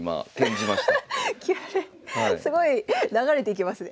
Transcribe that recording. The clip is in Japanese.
すごい流れていきますね。